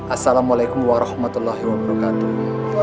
assalamu'alaikum warahmatullahi wabarakatuh